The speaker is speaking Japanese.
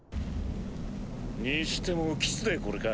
にしてもキスでこれか。